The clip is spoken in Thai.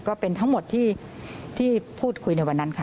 ก็เป็นทั้งหมดที่พูดคุยในวันนั้นค่ะ